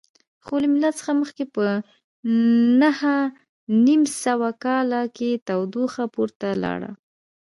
خو له میلاد څخه مخکې په نهه نیم سوه کال کې تودوخه پورته لاړه